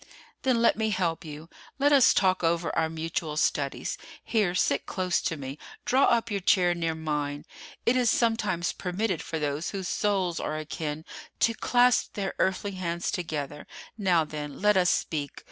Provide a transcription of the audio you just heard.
"Then, let me help you. Let us talk over our mutual studies. Here, sit close to me, draw up your chair near mine. It is sometimes permitted for those whose souls are akin to clasp their earthly hands together. Now then, let us speak.